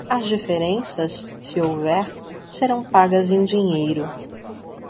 As diferenças, se houver, serão pagas em dinheiro.